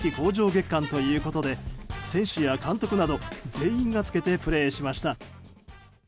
月間ということで選手や監督など全員がつけてプレーしました。